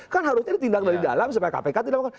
kan harusnya ditindak dari dalam supaya kpk tidak melakukan